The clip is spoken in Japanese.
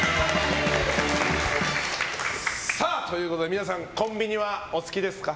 皆さん、コンビニはお好きですか。